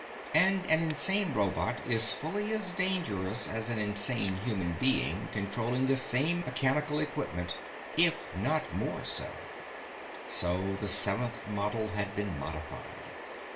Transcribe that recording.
And an insane robot is fully as dangerous as an insane human being controlling the same mechanical equipment, if not more so. So the seventh model had been modified.